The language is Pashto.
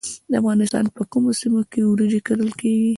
د افغانستان په کومو سیمو کې وریجې کرل کیږي؟